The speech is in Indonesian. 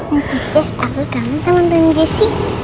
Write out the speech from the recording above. untuk jess aku kangen sama mt jess sih